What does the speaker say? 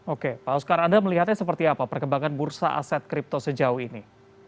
oke pak oskar anda melihatnya seperti apa perkembangan bursa aset kripto sejauh ini